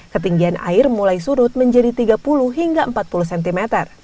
ketinggian air mulai surut menjadi tiga puluh hingga empat puluh cm